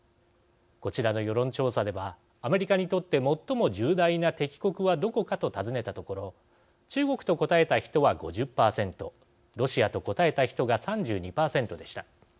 こちらの世論調査ではアメリカにとって最も重大な敵国はどこかと尋ねたところ中国と答えた人は５０％ロシアと答えた人が３２％でした。